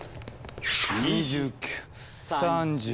２９・３０。